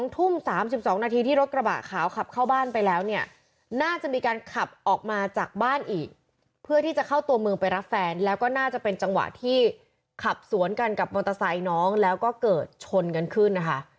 ทุ่ม๓๒นาทีที่รถกระบะขาวขับเข้าบ้านไปแล้วเนี่ยน่าจะมีการขับออกมาจากบ้านอีกเพื่อที่จะเข้าตัวเมืองไปรับแฟนแล้วก็น่าจะเป็นจังหวะที่ขับสวนกันกับมอเตอร์ไซค์น้องแล้วก็เกิดชนกันขึ้นนะคะ